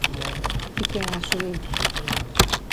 I què ha assumit?